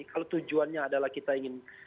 kalau tujuannya adalah kita ingin